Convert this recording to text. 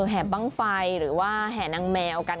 แห่บ้างไฟหรือว่าแห่นางแมวกัน